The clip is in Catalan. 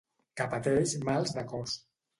Que pateix mals de cos.